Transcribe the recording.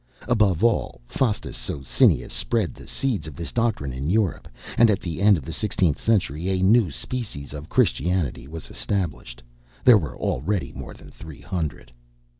Above all, Faustus Socinus spread the seeds of this doctrine in Europe; and at the end of the sixteenth century, a new species of Christianity was established. There were already more than three hundred.